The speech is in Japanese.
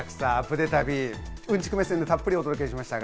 うんちく目線でたっぷりお届けしました。